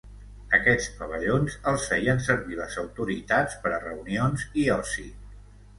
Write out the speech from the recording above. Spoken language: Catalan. Aquests pavellons els feien servir les autoritats per a reunions i oci.